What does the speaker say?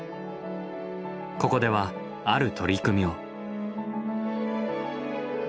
ここではある取り組みを。